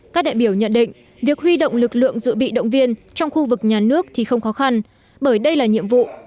các đại biểu nhận định việc huy động lực lượng dự bị động viên trong khu vực nhà nước thì không khó khăn bởi đây là nhiệm vụ